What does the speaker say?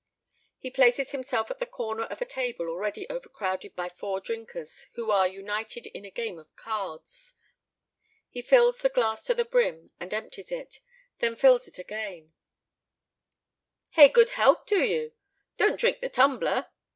He places himself at the corner of a table already overcrowded by four drinkers who are united in a game of cards. He fills the glass to the brim and empties it, then fills it again. "Hey, good health to you! Don't drink the tumbler!"